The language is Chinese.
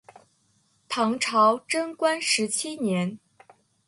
唐朝贞观十七年。